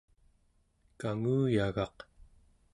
kanguyagaq